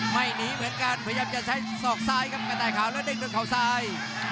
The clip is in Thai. ไม่หนีเหมือนกันพยายามจะใช้เสากซ้ายดาบดาบข่าวและเด็กด้วยเขาซ้าย